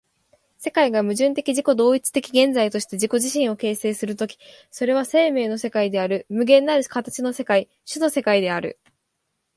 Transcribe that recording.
世界が矛盾的自己同一的現在として自己自身を形成する時、それは生命の世界である、無限なる形の世界、種の世界である。